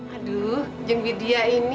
aduh jengbi dia ini